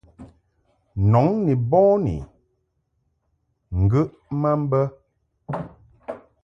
Nɔŋ ni bɔni ŋgəʼ ma mbə.